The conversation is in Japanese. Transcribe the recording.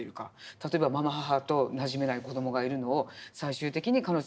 例えばまま母となじめない子どもがいるのを最終的に彼女が仲介して仲良くなる。